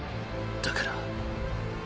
だから